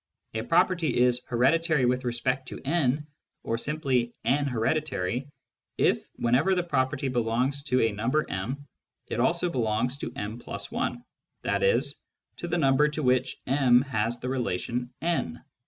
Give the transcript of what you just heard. A property is "hereditary with respect to N," or simply " N hereditary," if, whenever the property belongs to a number m, it also belongs to m \ i, i.e. to the number to which m has the relation N.